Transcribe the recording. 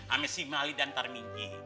ami si mali dan tarminki